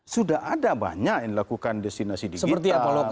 sudah ada banyak yang lakukan destinasi digital